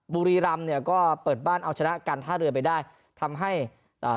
บุรีรำเนี่ยก็เปิดบ้านเอาชนะการท่าเรือไปได้ทำให้อ่า